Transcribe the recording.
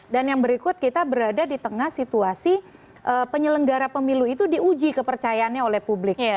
dan yang berikut kita berada di tengah situasi penyelenggara pemilu itu diuji kepercayaannya oleh publik